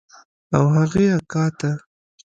او هغې اکا ته.